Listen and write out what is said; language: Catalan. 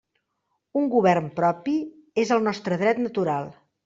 Un govern propi és el nostre dret natural.